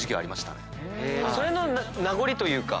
それの名残というか。